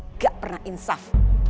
nggak pernah insaf